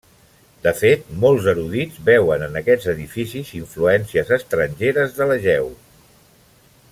De fet, molts erudits veuen en aquests edificis influències estrangeres de l'Egeu.